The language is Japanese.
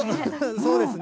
そうですね。